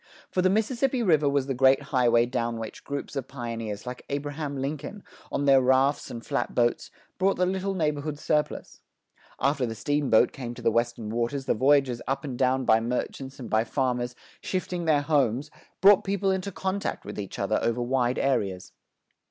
For the Mississippi River was the great highway down which groups of pioneers like Abraham Lincoln, on their rafts and flat boats, brought the little neighborhood surplus. After the steamboat came to the western waters the voyages up and down by merchants and by farmers shifting their homes, brought people into contact with each other over wide areas.